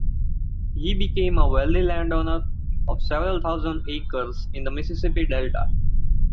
He became a wealthy landowner of several thousand acres in the Mississippi Delta.